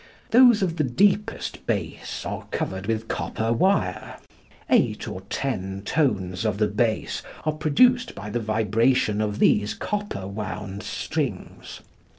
Those of the deepest bass are covered with copper wire. Eight or ten tones of the bass are produced by the vibration of these copper wound strings.